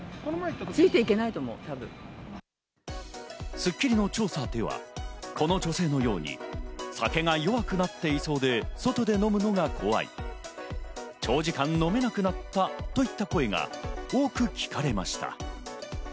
『スッキリ』の調査では、この女性のように酒が弱くなっていそうで外で飲むのが怖い、長時間、飲めなくなったといった声が多く聞かれました。